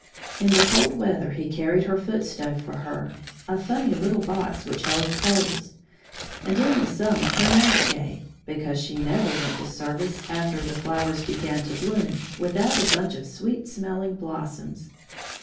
In the cold weather he carried her foot stove for her (a funny little box which held coals) and in the summer her nosegay, because she never went to service, after the flowers began to bloom, without a bunch of sweet smelling blossoms.